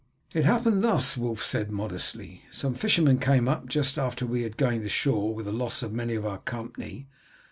"It happened thus," Wulf said modestly. "Some fishermen came up just after we had gained the shore with the loss of many of our company.